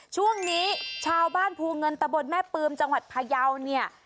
ช่วงนี้ชาวบ้านภูเงินตะบนแม่ปืมจังหวัดพยาวเนี่ย